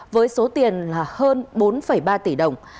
với số tiền hơn bốn ba tỷ đồng